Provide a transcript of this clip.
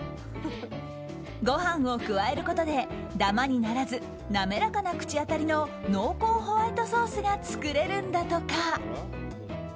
ご飯を加えることでダマにならず滑らかな口当たりの濃厚ホワイトソースが作れるんだとか。